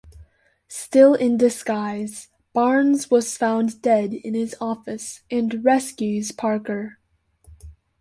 Still in disguise, Barnes was found dead in his office, and rescues Parker.